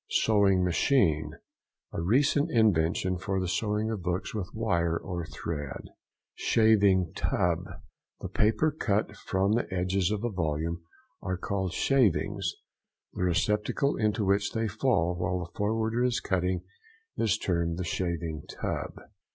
SEWING MACHINE.—A recent invention for the sewing of books with wire and thread. SHAVING TUB.—The paper cut from the edges of a volume are called shavings. The receptacle into which they fall while the forwarder is cutting is termed the shaving tub.